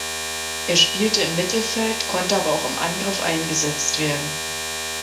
Er spielte im Mittelfeld, konnte aber auch im Angriff eingesetzt werden.